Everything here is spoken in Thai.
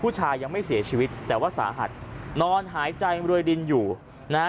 ยังไม่เสียชีวิตแต่ว่าสาหัสนอนหายใจรวยดินอยู่นะฮะ